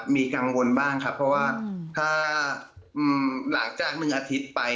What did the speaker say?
มีกังวลบ้างครับเพราะว่าถ้าหลังจาก๑อาทิตย์ไป